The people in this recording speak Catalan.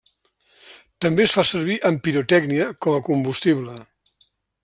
També es fa servir en pirotècnia com a combustible.